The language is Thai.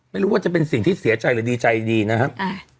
ไม่รู้ว่าจะเป็นสิ่งที่เสียใจหรือดีใจดีนะครับ